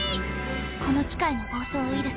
この機械の暴走ウイルス